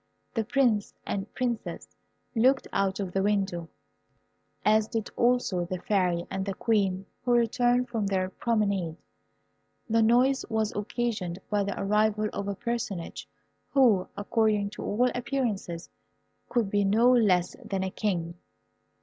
The Prince and Princess looked out of the window, as did also the Fairy and the Queen who returned from their promenade. The noise was occasioned by the arrival of a personage who, according to all appearances, could be no less than a king.